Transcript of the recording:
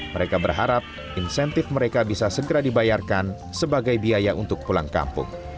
mereka berharap insentif mereka bisa segera dibayarkan sebagai biaya untuk pulang kampung